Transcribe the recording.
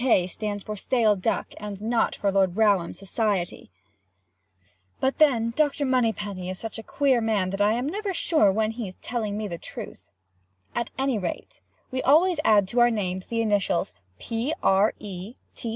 K. stands for Stale Duck and not for Lord Brougham's society—but then Dr. Moneypenny is such a queer man that I am never sure when he is telling me the truth. At any rate we always add to our names the initials P. R. E.